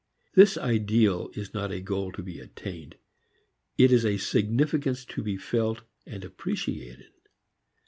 This ideal is not a goal to be attained. It is a significance to be felt, appreciated.